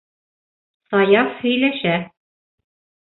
Саяф һөйләшә.